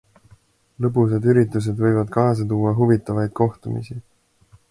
Lõbusad üritused võivad kaasa tuua huvitavaid kohtumisi.